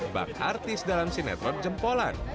bang artis dalam sinetron jempolan